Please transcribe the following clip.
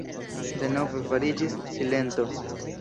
Denove fariĝis silento.